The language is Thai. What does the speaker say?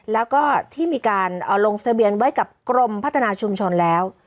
แล้วก็ที่มีการลงทะเบียนไว้กับกรมพัฒนาชุมชนแล้ว